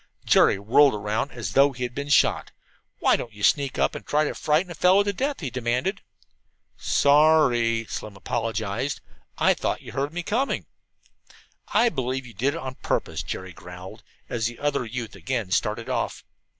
Jerry whirled around as though he had been shot. "Why don't you sneak up and try to frighten a fellow to death?" he demanded. "Sorry," Slim apologized. "Thought you heard me coming." "I believe you did it on purpose," Jerry growled, as the other youth again started off.